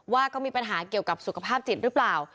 ว่าก็มีปัญหาเกี่ยวกับสุขภาพจิตหรือเปล่า